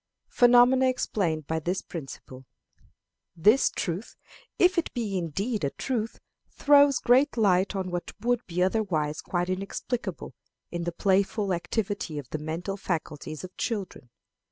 Phenomena explained by this Principle. This truth, if it be indeed a truth, throws great light on what would be otherwise quite inexplicable in the playful activity of the mental faculties of children.